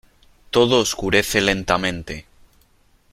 todo oscurece lentamente :